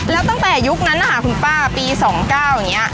แล้วตั้งแต่ยุคนั้นนะคะคุณป้าปี๒๙อย่างนี้